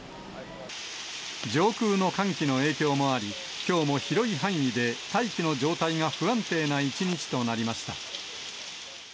上空の寒気の影響もあり、きょうも広い範囲で大気の状態が不安定な一日となりました。